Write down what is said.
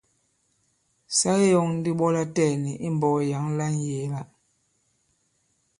Sa ke yɔ᷇ŋ ndi ɓɔ latɛɛ̀ni i mbɔk yǎŋ la ŋyēe-la.